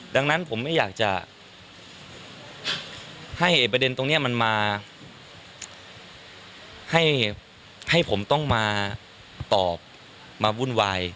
ดังนั้นผมไม่อยากจะให้ประเด็นตรงนี้มันมาให้ผมต้องมาตอบมาวุ่นวาย